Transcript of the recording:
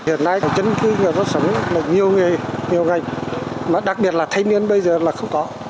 hiện nay dân cư người dân sống là nhiều nghề nhiều ngành mà đặc biệt là thanh niên bây giờ là không có